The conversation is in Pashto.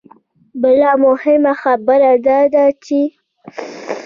بله مهمه خبره دا ده چې